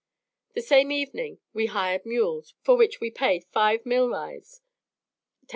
The same evening we hired mules, for which we paid five milreis (10s.